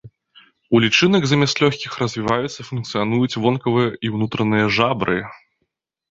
У лічынак замест лёгкіх развіваюцца і функцыянуюць вонкавыя і ўнутраныя жабры.